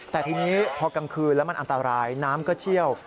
แต่พอกลางคืนมันอันตรายน้ำก็เชี่ยว